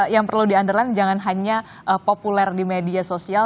yang perlu di underland jangan hanya populer di media sosial